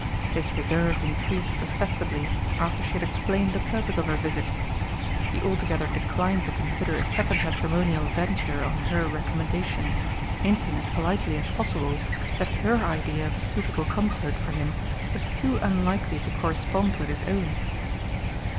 His reserve increased perceptibly after she had explained the purpose of her visit. He altogether declined to consider a second matrimonial venture on her recommendation, hinting as politely as possible that her idea of a suitable consort for him was too unlikely to correspond with his own.